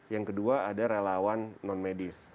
yang kedua ada relawan non medis